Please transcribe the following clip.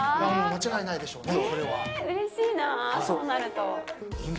間違いないでしょうね。